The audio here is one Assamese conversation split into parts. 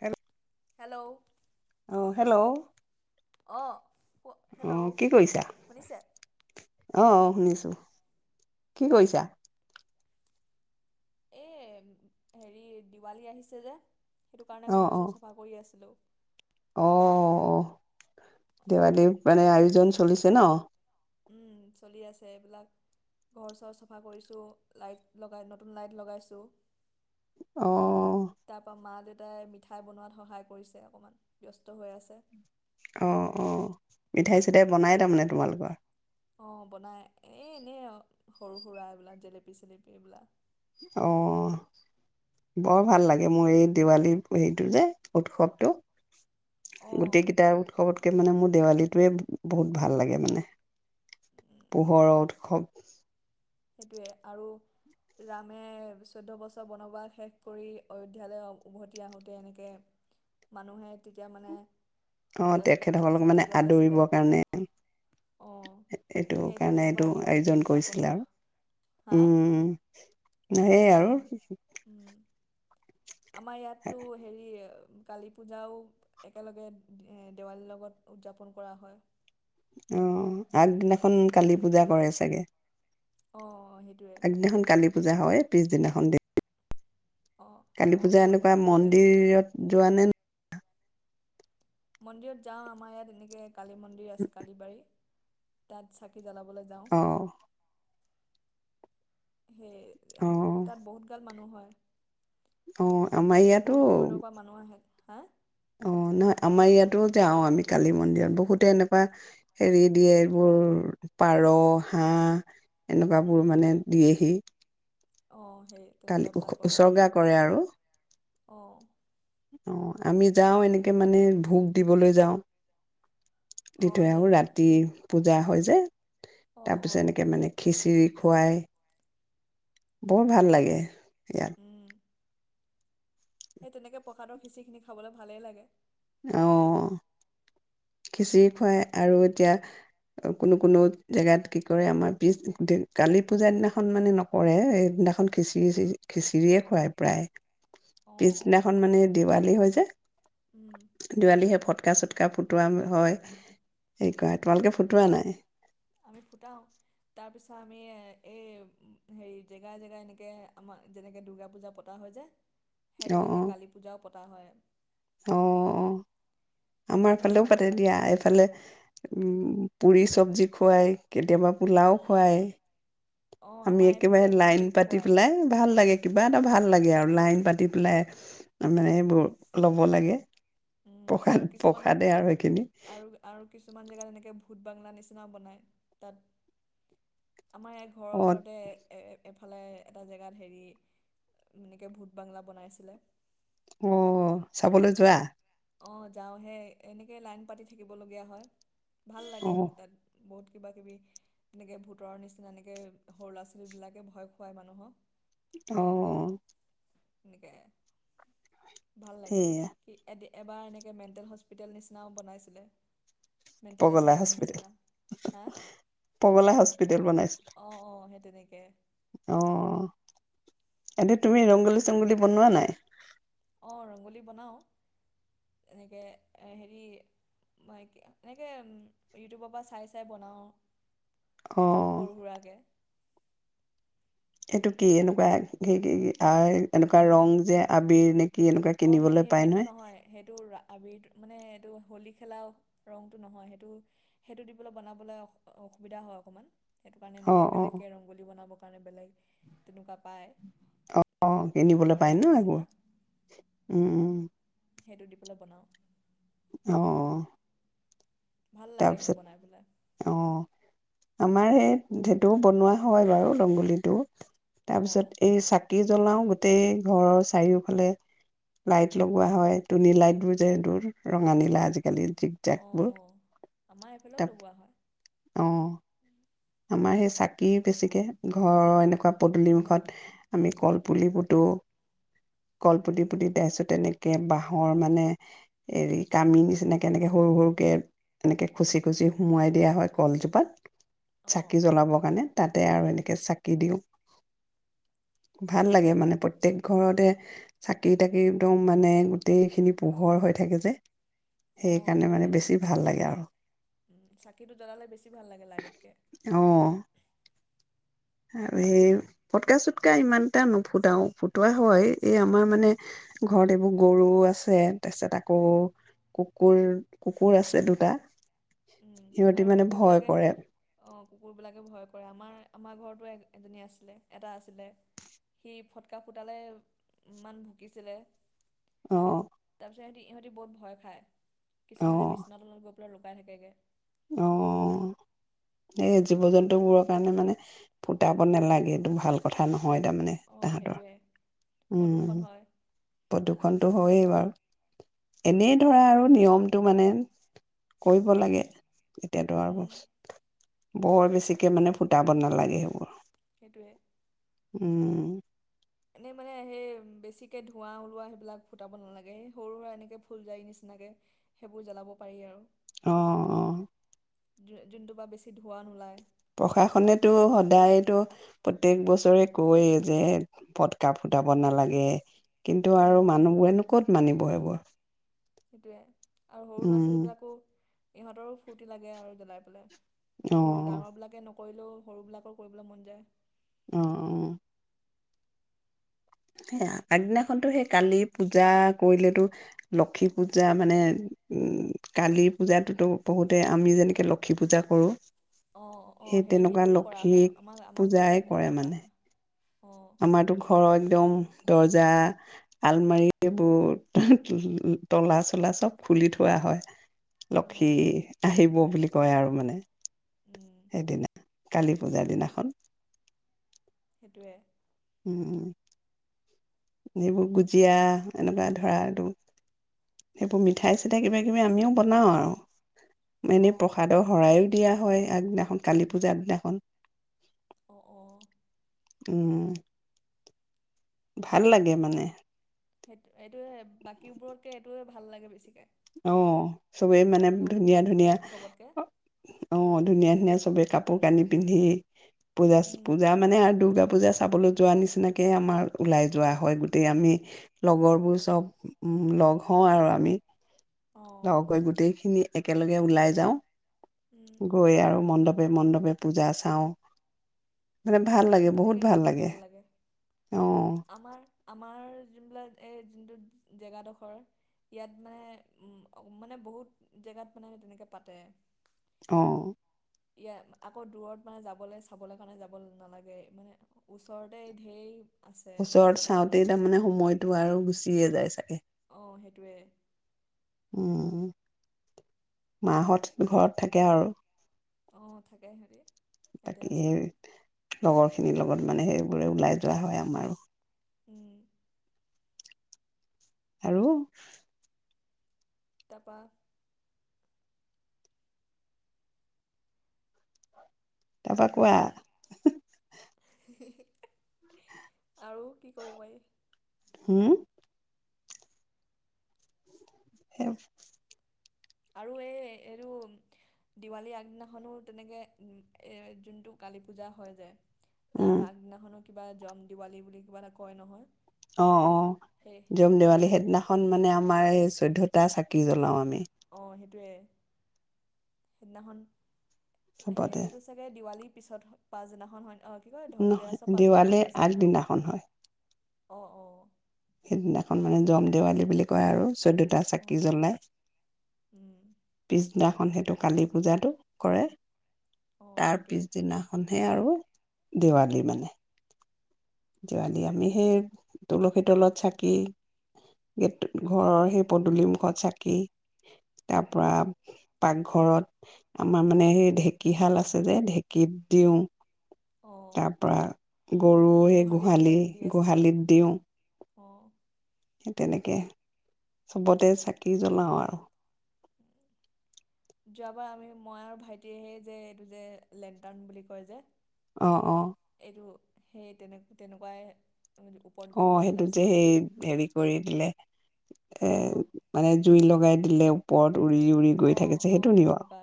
হ হেল্ল' হেল্ল' অ আহ কি কৰিছা অ শুনিছো কি কৰিছা এই হেৰি দিৱালী আহিছে যে সেইটো কাৰণে অ ঘৰ অ ওচৰ চফা কৰি আছিলোঁ। অ অ দেৱালীৰ মানে আয়োজন চলিছে ন চলি আছে এইবিলাক ঘৰ চৰ চফা কৰিছোঁ লাইট লগাই নতুন লাইট লগাইছোঁ। অ তাৰপ মা দেউতা তাই মিঠাই বনোৱাত সহায় কৰিছে অকণমান ব্যস্ত হৈ আছে। অ অ মিঠাই চিঠাই বনাই তাৰমানে তোমালোকৰ অ বনাই এই এনেই সৰু সুৰা এইবিলাক জেলেপি চেলেপি এইবিলাক অ বৰ ভাল লাগে মোৰ এই দিৱালী হেৰিটো যে উৎসৱটো অঁ গোটেই কেইটা উৎসৱত কেইদিনমান মানে মোৰ দেৱালীটোৱে বহুত ভাল লাগে মানে পোহৰৰ উৎসৱ সেইটোৱে আৰু ৰামে চৈধ্য বছৰ বনবাস শেষ কৰি অয়োধ্যালৈ উভতি আহোঁতে এনেকে মানুহে তেতিয়া মানে অ এ তেখেতসকলক চাকি মানে জ্বলাইছিলে আদৰিবৰ কাৰণে অঁ এইটো সেই কাৰণে তেতিয়াৰ এইটো পৰা দিৱালীটো আয়োজন উদযাপন কৰিছিলে কৰা আৰু হা উম সেইয় আৰু অঁ উম। আমাৰ ইয়াতো হেৰি কালী পূজাও একেলগে দেৱালীৰ লগত উদযাপন কৰা হয়। আহ আগদিনাখন কালি পূজা কৰে চাগে অঁ সেইটোৱে আগদিনাখন কালি। পূজা হয় পিছদিনাখন দে অঁ কালী অঁ পূজা অঁ সেই এনেকুৱা তেনেকৈ মন্দিৰত যোৱা নে ন? মন্দিৰত যাওঁ আমাৰ ইয়াত এনেকে কালী মন্দিৰ আছে কালিবাৰী তাত চাকি জলাবলৈ যাওঁ। অ', সেই এ অ', তাত বহুত গাল মানুহ হয়। হয় অ আমাৰ ইয়াতো। পৰা মানুহ আহে হা অ নহয় আমাৰ ইয়াতো যাওঁ আমি কালী মন্দিৰত বহুতে এনেকুৱা হেৰি দিয়ে এইবোৰ পাৰ হাঁহ এনেকুৱাবোৰ মানে দিয়েহি অআহ কালি উ উচৰ্গা কৰে আৰু অ', অ আমি যাওঁ এনেকে মানে ভোক দিবলৈ যাওঁ দি অ', থৈ আহো সেয়া ৰাতি পূজা হয় যে অ', তাৰ পিছত অ', এনেকে মানে খিচিৰি খুৱাই বৰ ভাল লাগে প ইয় উম, সেই তেনেকে প্ৰসাদৰ খিচিখিনি খাবলৈ ভালেই লাগে। অ খিচিৰি খুৱাই আৰু এতিয়া কোনো কোনো জেগাত কি কৰে আমাৰ পিছ কালী পূজা দিনাখন মানে নকৰে সেইদিনাখন খিচিৰি খিচিৰিয়ে খুৱায় প্ৰায় অ', অ'। পিছদিনাখন মানে দিৱালী হৈ উম, যায় দেৱালি সে ফটকা চটকা ফুটোৱা হয় হে কৰা তোমালোকে ফুটোৱা নাই আমি ফুটাও তাৰপিছত আমি এই হেৰি জেগাই জেগাই এনেকে আমাৰ যেনেকে দুূৰ্গা পূজা পতা হয় যে সেই অঁ তেনেকে অঁ কালী পূজাও পতা হয় অঁ অঁ আমাৰ বহুতগাল ফালেও মানুহ পাতে হয় দিয়া এইফালে উম পুৰি চবজি খুৱাই কেতিয়াবা পোলাও খুৱাই অ', আমি আমাৰ এইফালেও একেবাৰে লাইন তেনেকৈ পাতি খুৱায় পেলাই ভাল লাগে কিবা ভাল লাগে আৰু লাইন পাতি পেলাই মানে এইবোৰ ল'ব লাগে উম প্ৰসাদ আৰু কিছুমানত প্ৰসাদে আৰু সেইখিনি আৰু আৰু কিছুমান জেগাত এনেকে ভূত বাংলা নিচিনাও বনায় তাত আমাৰ অ ঘৰৰ ওচৰতে এফালে এটা জেগাত হেৰি এনেকৈ ভূত বাংলা বনাইছিলে অ চাবলৈ যোৱা অঁ যাওঁহে এনেকৈ লাইন পাতি থাকিবলগীয়া হয় ভাল অ লাগে আৰু তাত বহুত কিবা কিবি এনেকৈ ভোতৰৰ নিচিনা এনেকৈ সৰু ল'ৰা ছোৱালীবিলাকে ভয় খুৱায় মানুহক আহ এনেকে ভাল লাগে সেয়া কি এদি এবাৰ এনেকৈ মেণ্টেল হস্পিটেল নিচিনাও বনাইছিলে মেণ্টেল পগলা এছাইলাম হস্পিতেেল নিচিনা হা পগলা হস্পিতেেল বনাইছিল তেনেকে অ এনে তুমি ৰংগোলী চংগলী বনোৱা নাই অঁ ৰংগলী বনাওঁ এনেকে হেৰি এনেকে ইউটিউবৰ পৰা চাই চাই বনাওঁ অ সৰু সুৰাকৰাকে এইটো কি এনেকুৱা স কি এনেকুৱা ৰং যে আবিৰ নে কি এনেকুৱা অ সেই কিনিবলৈ সেই পায় সেইটো নহয় সেইটো আবিৰ মানে এইটো হোলী খেলা ৰংটো নহয় সেইটো সেইটো দি পেলাই বনাবলৈ অসুবিধা হয় অকণমান সেইটো কাৰণে অ এনেকে অ বেলেগকে ৰংগলী বনাব কাৰণে বেলেগ তেনেকুৱা পায়। অ', কিনিবলৈ এনেকুৱা পায় ৰং ন? নিচিনা এইবোৰ। উম। সেইটো দি পেলাই বনাওঁ। অহ, অহ। ভাল লাগে সেইটো তাৰপিছত, বনাই পেলাই অহ। আমাৰ সেই সেইটো বনোৱা হয়, বাৰু ৰংগলীটো। তাৰ অঁ পিছত এই চাকি জ্বলাও গোটেই ঘৰৰ চাৰিওফালে লাইট লগোৱা হয়, টোনী লাইট বোৰ যে, এইবোৰ ৰঙা, নীলা আজিকালি জিক যাক অঁ বোৰ অঁ আমাৰ এইফালেও লগোৱা হয়। অ আমাৰ সেই চাকি বেছিকে ঘৰৰ এনেকুৱা পদূলিমুখত আমি কলপুলি পুতো, কলপুতি পুতি তাৰপিছত তেনেকৈ বাঁহৰ মানে হেৰি কামি নিচিনাকৈ এনেকৈ সৰু সৰুকৈ এনেকৈ খুচি খুচি সোমোৱাই দিয়া হয়, কলজোপাত। অঁ চাকি জ্বলাবৰ কাৰণে তাতে আৰু এনে চাকি দিওঁ। ভাল লাগে অঁ মানে প্ৰত্যেক ঘৰতে। চাকি তাকি একদম মানে গোটেইখিনি পোহৰ হৈ থাকে যে। অ', সেইকাৰণে সেইটোৱে মানে বেছি ভাল লাগে আৰু উ চাকিটো জ্বলালে বেছি ভাল লাগে লাইট তকে। অ'। আৰু সেই ফটকা চটকা ইমান এটা নুফুটাও ফুটোৱা হয়। এই আমাৰ মানে ঘৰত এইবোৰ গৰু আছে, তাৰ পিছত আকৌ কুকুৰ, কুকুৰ আছে দুটা। উম সিহঁতি আৰু মানে কুকুৰ ভয় বিলাকে কৰে অ', কুকুৰ বিলাকে ভয় কৰে আমাৰ। আমাৰ ঘৰতো এগ এজনী আছিলে, এটা আছিলে সি ফটকা ফুটালে ইমান ভুকিছিলে। অ'। তাৰপিছত সিহঁতি, ইহঁতি বহুত ভয় খায়। অ কিছুমানে বিচনা তলত গৈ লুকাই থাকেগে। অ', এই জীৱ জন্তুবোৰৰ কাৰণে মানে ফুটাব নালাগে। এইটো ভাল কথা ন হয় তাৰমানে অঁ তাহাঁতৰ সেইটোৱে প্ৰদূষণ হয় উম'প্ৰদূষণটো হয়েই বাৰু। এনেই ধৰা আৰু নিয়মটো মানে কৰিব লাগে। এতিয়াতো আৰু উম, [inaudible] বৰ বেছিকে মানে ফুটাব নালাগে সেইবোৰ। সেইটোৱে। উম'। এনেই মানে হেই বেছিকে ধোঁৱা ওলোৱা সেইবিলাক ফুটাব নালাগে। সৰু সুৰা এনেকে ফুলজাৰি নিচিনাকে সেইবোৰ জ্বলাব পাৰি আৰু। অ', অ'। যো যোনটো পা বেছি ধোঁৱা নোলায়। প্ৰশাসনেতো সদায়তো প্ৰত্যেক বছৰে কৈয়ে যে ফটকা ফুটাব নালাগে। কিন্তু আৰু উম। মানুহবোৰেনো‌ ক'ত মানিব এইবোৰ সেইটোৱে আৰু সৰু ল'ৰা ছোৱালীবিলাকো ইহঁতৰো ফূৰ্তি লাগে আৰু জ্বলাই অ পেলাই ডাঙৰ বিলাকে নক কৰিলেও সৰুবিলাকৰ কৰিবলৈ মন যায় অ অ সেই আগদিনাখনতো সেই কালি পূজা কৰিলেতো লক্ষী পূজা মানে উ কালি পূজাতটোতো বহুতে আমি যেনেকে লক্ষী পূজা কৰো অঁ অঁ সেই তেনেকুৱা সেইটোও কৰা লক্ষীক হয় আমাৰ আমাৰ পূজাই ঘৰতো কৰে তেনেকৈ পতা মানে হয় অঁ আমাৰতো ঘৰৰ একদম দৰ্জা আলমাৰী এইবোৰ তলা চলা চব খুলি থোৱা হয় লক্ষী অঁ আহিব বুলি কয় আৰু মানে উম সেইদিনা কালী পূজাৰ দিনাখন সেইটোয়ে উম উম সেইবোৰ গুজিয়া এনেকুৱা ধৰা এইটো সেইবোৰ মিঠাই চিঠাই কিবা কিবি আমিও বনাওঁ আৰু এনে অঁ প্ৰসাদৰ শৰাই দিয়া হয় আগদিনাখন কালী পূজা আগ দিনাখন অ অঁ উম ভাল লাগে মানে সেই এইটোৱে বাকীবোৰতকে এইটোৱে ভাল লাগে বেছিকৈ অ চবেই মানে বাকীবোৰ ধুনীয়া ধুনীয়া উৎসৱতকৈ অ ধুনীয়া ধুনীয়া চবে কাপোৰ কানি পিন্ধি পূজা উম পূজা মানে আৰু দুৰ্গা পূজা চাবলৈ যোৱা নিচিনাকে আমাৰ ওলাই যোৱা হয় গোটেই আমি লগৰ বোৰ চব উম লগ হওঁ আৰু আমি অঁ লগহৈ গোটেইখিনি একেলগে ওলাই যাওঁ উম গৈ আৰু মণ্ডপ মণ্ডপে পূজা চাওঁ মানে ভাল উম লাগে সেই বহুত তেনেকে গৈ পেলে ভাল লাগে অ আমাৰ আমাৰ যোনবিলাক এই যোনটো জেগাডখৰ ইয়াত মানে মানে বহুত জেগাত মানে তেনেকৈ পাতে অ ইয়া আকৌ দূৰত মানে যাবলৈ চাবলৈ কাৰণে যাব নালাগে মানে ওচৰতে ধেই ওচৰত চাওঁতেই তাৰমানে সময়তটো আৰু গুচিয়ে যায় চাগে আহ সেইটোৱে উম মাহত ঘৰত থাকে আৰু অঁ থাকে সিহঁতি ইয়াতে তাকে আছে আৰু সেই লগৰ খিনিৰ লগত মানে সেইবোৰে ওলাই যোৱা হয় আমাৰো উম আৰু উমম তাৰাপৰা কোৱা আৰু কি ক'ব পাৰি হম স আৰু এই এইটো দিৱালী আগদিনাখনো তেনেকে এ যোনটো কালী পূজা হয় যায় উম তাৰ আগদিনাখনো কিবা জম দিৱালী বুলি কিবা এটা কয় নহয় অঁ অঁ সেই জম দেৱালী সেইদিনাখনো সেইদিনাখন মানে আমাৰ এই চৈধ্যটা চাকি জ্বলাও আমি অঁ সেইটো সেইদিনাখন হে চবতে সেইটো চাগে দিৱালী পিছত পাছ জিলাখন হয় অঁ কি কয় নহয় ধনতেৰাছৰ পাছদিনাখন হয় দেৱালীৰ চাগে ন আগদিনাখন হয় অঁ অঁ সেইদিনাখন মানে জম দেৱালী বুলি কয় আৰু চৈধ্যটা চাকি অঁ জ্বলাই উম পিছদিনা। সেইটো কালি পূজাতটো কৰে অঁ তাৰ সেইটোৱে পিছদিনাখনহে আৰু দিৱালী উম মানে যোৱাকালি আমি সেই তুলসী তলত চাকি গ ঘৰৰ সেই পদূলি মুখত চাকি তাৰ পৰা পাকঘৰত আমাৰ মানে সেই ঢেঁকীশাল আছে যে ঢেঁকীত দিওঁ অঁ তাৰ পৰা গৰু সেই গোহালিত দিয়া গোহাঁলি দিয়ে চাগে গোহাঁলিত দিওঁ অঁ সেই তেনেকৈ চবতে চাকি জ্বলাওঁ আৰু যোৱাবাৰ আমি মই আৰু ভাইটিয়ে সেই যে, এইটো যে, লেনটাৰন বুলি কয় যে, অঁ অঁ এইটো সেই তেনেকৈ তেনেকুৱাই ওপৰত গৈ অঁ পেলাই সেইটোতে জ্বলাইছিলোঁ সেই হেৰি কৰি দিলে এ অঁ মানে জুই লগাই দিলে ওৰপ উৰি উৰি অ গৈ থাকিছে অ সেইটো সেই নি তেনেকুৱা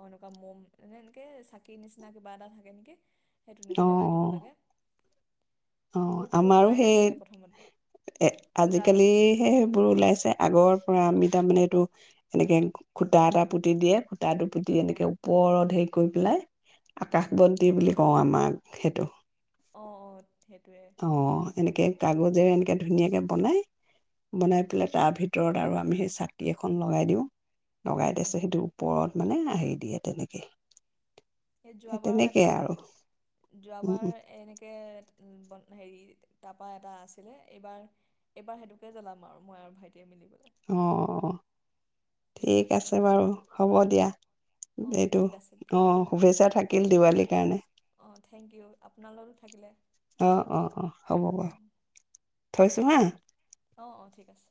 অ', এনেকুৱা মম এনেকে চাকি নিচিনা কিবা এটা থাকে নেকি সেইতেনেকৈ অ জ্বলাই দিব লাগে। অ', মোৰটোতো আমাৰো হোৱাই সেই নাছিলে প্ৰথমতে এ ফুটা হৈ গৈছিলে আজিকালিহে সেইবোৰ ওলাইছে আগৰ আমি তাৰ মানে এইটো এনেকে খুটা এটা পুতি দিয়ে খু ত দুপিটি অ এনেকে ওপৰত হেৰি কৰি পেলাই আকাশ উম বন্তি বুলি কওঁ আমাক সেইটো অ', অ'। সেইটোৱে অ', এনেকে কাগজে এনে ধুনীয়াকৈ বনাই, বনাই পেলাই তাৰ ভিতৰত আৰু আমি সেই চাকি এখন লগাই দিওঁ। লগাই উম দিছে সেইটোৰ ওপৰত মানে হেৰি দিয়ে তেনেকে সে সেই যোৱাবাৰৰ এটা তেনেকেই আৰু যোৱাবাৰ এনেকে [unintelligible] হেৰি তাপা এটা আছিলে এইবাৰ, এইবাৰ সেইটোকে জ্বলাম আৰু মই আৰু ভাইট অ', অ', উম, ঠিক আছে বাৰু। হ'ব দিয়া। অ এইটো ঠিক আছে দিয়া অহ, অ শুভেচ্ছা থাকিল দিৱালীৰ কাৰণে। অ থেংক ইউ আপোনালোকো থাকিলে অহ, অহ, অ', হ'ব বাৰু উম, থৈছো হা। অ', অ', ঠিক আছে।